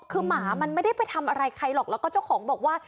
คือหมามันไม่ได้ไปทำอะไรใครหรอกแล้วก็เจ้าของบอกว่า